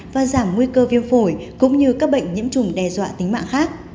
và giảm nguy cơ viêm phổi cũng như các bệnh nhiễm trùng đe dọa tính mạng khác